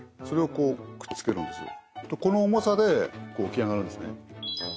それをこうくっつけるんですこの重さで起き上がるんですね